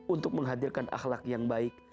untuk menghadirkan ahlak yang baik